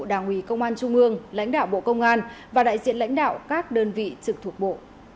đảng ủy công an trung ương lãnh đạo bộ công an và đại diện lãnh đạo các đơn vị trực thuộc bộ